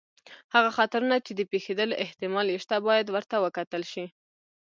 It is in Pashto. هغه خطرونه چې د پېښېدلو احتمال یې شته، باید ورته وکتل شي.